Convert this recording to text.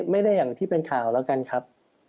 ไม่ได้อย่างที่เป็นข่าวแล้วกันครับ